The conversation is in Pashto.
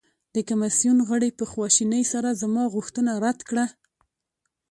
د کمیسیون غړي په خواشینۍ سره زما غوښتنه رد کړه.